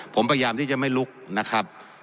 ผมพยายามที่จะไม่ลุกนะครับ